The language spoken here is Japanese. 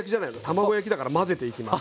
卵焼きだから混ぜていきます。